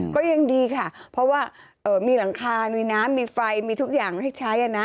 ก็ยังดีค่ะเพราะว่ามีหลังคามีน้ำมีไฟมีทุกอย่างให้ใช้นะ